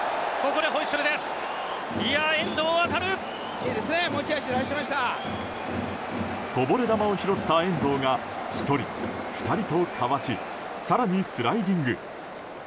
こぼれ球を拾った遠藤が１人、２人とかわし更にスライディング。